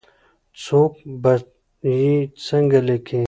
څوک به یې څنګه لیکي ؟